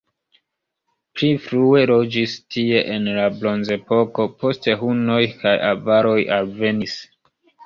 Pli frue loĝis tie en la bronzepoko, poste hunoj kaj avaroj alvenis.